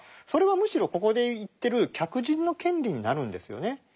それはむしろここで言ってる「客人の権利」になるんですよね。